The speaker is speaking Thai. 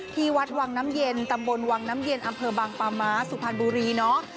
ที่วัดวังน้ำเย็นตำบลวังน้ำเย็นอำเภอบางปาม้าสุพรรณบุรีเนาะ